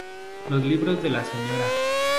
Los libros de la Sra.